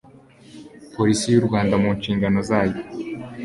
polisi y u rwanda mu nshingano zayo